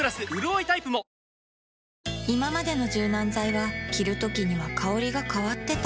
いままでの柔軟剤は着るときには香りが変わってた